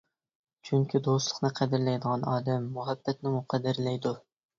چۈنكى دوستلۇقنى قەدىرلەيدىغان ئادەم مۇھەببەتنىمۇ قەدىرلەيدۇ.